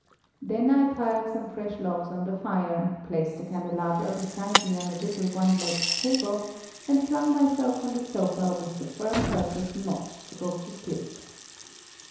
Then I piled some fresh logs on the fire, placed the candelabra beside me on a little one legged table, and flung myself on the sofa with the firm purpose not to go to sleep.